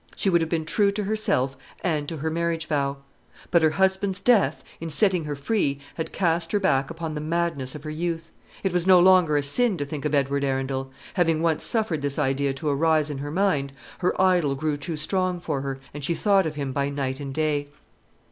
She would have been true to herself and to her marriage vow; but her husband's death, in setting her free, had cast her back upon the madness of her youth. It was no longer a sin to think of Edward Arundel. Having once suffered this idea to arise in her mind, her idol grew too strong for her, and she thought of him by night and day.